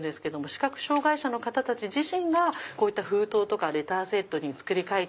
視覚障害者の方たち自身が封筒とかレターセットに作り替えてる。